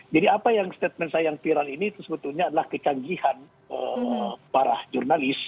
apa yang statement saya yang viral ini itu sebetulnya adalah kecanggihan para jurnalis